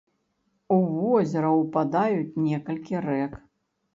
У возера ўпадаюць некалькі рэк.